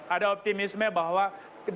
ada optimisme bahwa dalam tahun dua ribu dua puluh